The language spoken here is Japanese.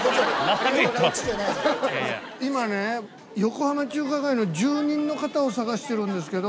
今ね横浜中華街の住人の方を探してるんですけど。